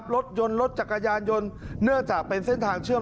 รถยนต์รถจักรยานยนต์เนื่องจากเป็นเส้นทางเชื่อม